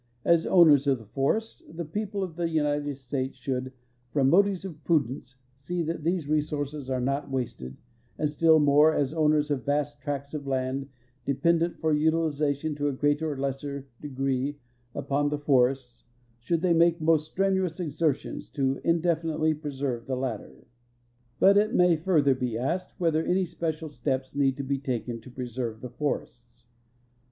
As owners of the forests, the people of the United States should, from motives of prudence, see that these resources are not wasted, and still more, as owners of vast tracts of land dependent for utilization to a greater or less degree upon the forests, should tlie}^ make niost strenuous exertions to in definitel}^ preserve the latter. But it may further be asked whether any special steps need be taken to preserve the forests.